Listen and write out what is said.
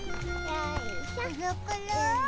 よいしょ。